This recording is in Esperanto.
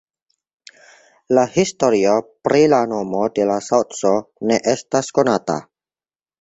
La historio pri la nomo de la saŭco ne estas konata.